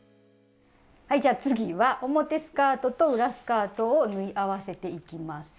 はいじゃあ次は表スカートと裏スカートを縫い合わせていきます。